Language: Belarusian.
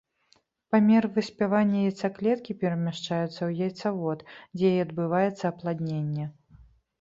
Па меры выспявання яйцаклеткі перамяшчаюцца ў яйцавод, дзе і адбываецца апладненне.